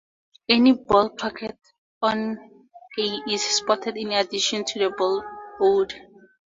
Any ball pocketed on a is spotted in addition to the ball owed.